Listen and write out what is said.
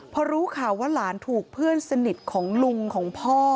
พอรู้ข่าวว่าหลานถูกเพื่อนสนิทของลุงของพ่อ